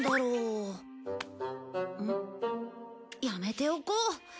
やめておこう。